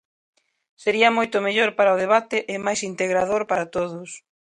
Sería moito mellor para o debate e máis integrador para todos.